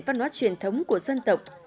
văn hoá truyền thống của dân tộc